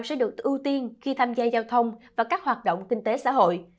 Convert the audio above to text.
sẽ được ưu tiên khi tham gia giao thông và các hoạt động kinh tế xã hội